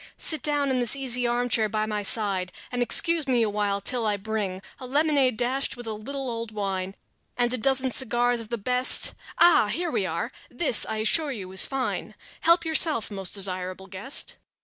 Sit down in this easy armchair by my side, And excuse me awhile till I bring A lemonade dashed with a little old wine And a dozen cigars of the best.... Ah! Here we are! This, I assure you, is fine; Help yourself, most desirable guest."